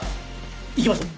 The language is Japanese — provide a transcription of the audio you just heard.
・行きましょう！